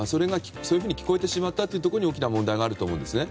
そういうふうに聞こえてしまったところに大きな問題があると思うんですね。